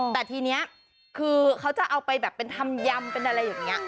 แต่ทีนี้คือเขาจะเอาไปแบบเป็นทำยำเป็นอะไรอย่างนี้